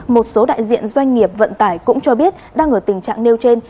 một số đại diện doanh nghiệp vận tải cũng cho biết đang ở tình trạng nêu trên